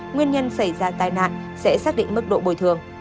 nguyên nhân xảy ra tai nạn sẽ xác định mức độ bồi thường